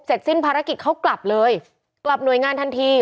สิ้นภารกิจเขากลับเลยกลับหน่วยงานทันที